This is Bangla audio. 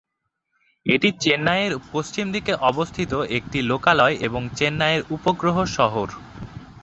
এটি চেন্নাইয়ের পশ্চিম দিকে অবস্থিত একটি লোকালয় ও চেন্নাইয়ের উপগ্রহ শহর।